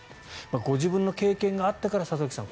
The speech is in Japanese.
ご自分の経験があったから里崎さん